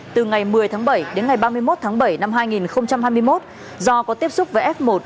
từ ngày một mươi tháng bảy đến ngày ba mươi một tháng bảy năm hai nghìn hai mươi một do có tiếp xúc với f một